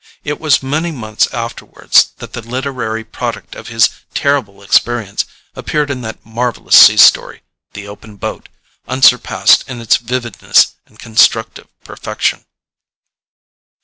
It was many months afterwards that the literary product of his terrible experience appeared in that marvellous sea story "The Open Boat," unsurpassed in its vividness and constructive perfection.